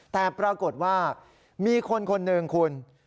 แต่ปรากฏว่ามีคนคนหนึ่งคุณ